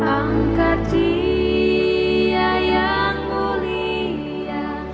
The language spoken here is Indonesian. angkat dia yang mulia